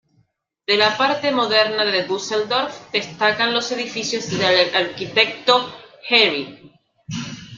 De la parte moderna de Düsseldorf destacan los edificios del arquitecto Gehry.